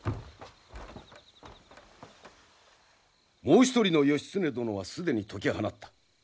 もう一人の義経殿は既に解き放った。